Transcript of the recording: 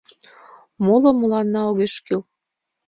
— Моло мыланна огеш кӱл!